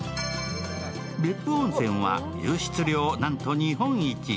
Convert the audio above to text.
別府温泉は湧出量、なんと日本一。